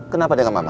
kenapa dengan mama